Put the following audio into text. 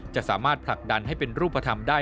จะสามารถผลักดันให้เป็นรูปธรรมได้